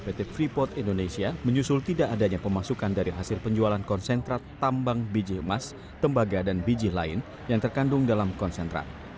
pt freeport indonesia menyusul tidak adanya pemasukan dari hasil penjualan konsentrat tambang biji emas tembaga dan biji lain yang terkandung dalam konsentrat